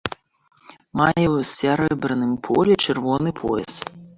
Мае ў сярэбраным полі чырвоны пояс.